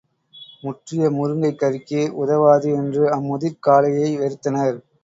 முற்றிய முருங்கை கறிக்கு உதவாது என்று அம்முதிர்க் காளையை வெறுத்தனர்.